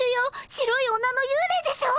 白い女の幽霊でしょ